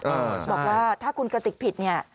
บอกว่าถ้าคุณกระติกผิดเนี่ย